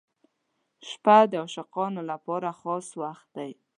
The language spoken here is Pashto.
• شپه د عاشقانو لپاره خاص وخت دی.